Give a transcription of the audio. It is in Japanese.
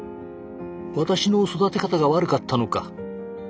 「私の育て方が悪かったのか」